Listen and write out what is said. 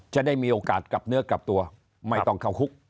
จะได้มีโอกาสกลับเนื้อกลับตัวไม่ต้องเข้าคุก